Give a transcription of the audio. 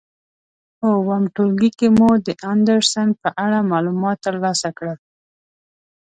په اووم ټولګي کې مو د اندرسن په اړه معلومات تر لاسه کړل.